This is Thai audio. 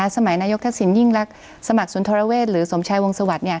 สมัยนายกทักษิณยิ่งลักษณ์สมัครสุนทรเวทหรือสมชัยวงศวรรษ